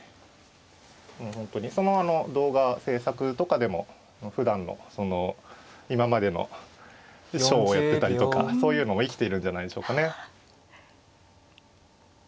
もう本当にその動画制作とかでもふだんのその今までのショーをやってたりとかそういうのも生きてるんじゃないでしょうかね。